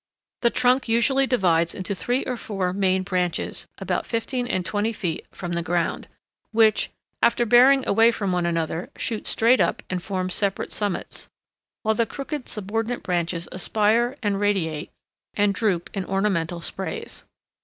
The trunk usually divides into three or four main branches, about fifteen and twenty feet from the ground, which, after bearing away from one another, shoot straight up and form separate summits; while the crooked subordinate branches aspire, and radiate, and droop in ornamental sprays.